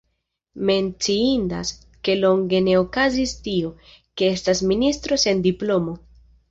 Menciindas, ke longe ne okazis tio, ke estas ministro sen diplomo.